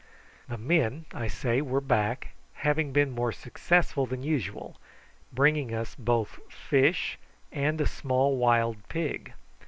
The men, I say, were back, having been more successful than usual bringing us both fish and a small wild pig.